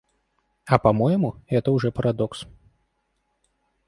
А по-моему, это уже парадокс.